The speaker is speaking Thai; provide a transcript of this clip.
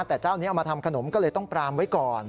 แต่เจ้านี้เอามาทำขนมก็เลยต้องปรามไว้ก่อน